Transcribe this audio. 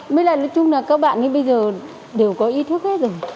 mới lại nói chung là các bạn như bây giờ đều có ý thức hết rồi